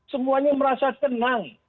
semuanya merasa tenang